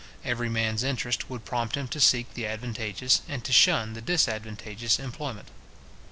Every man's interest would prompt him to seek the advantageous, and to shun the disadvantageous employment.